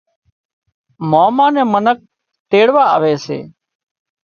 ماما نين منک تيڙوا آوي سي